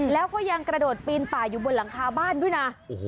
แล้วก็ยังกระโดดปีนป่าอยู่บนหลังคาบ้านด้วยนะ